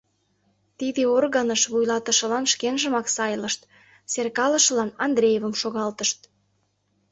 Тиде органыш вуйлатышылан шкенжымак сайлышт, серкалышылан Андреевым шогалтышт.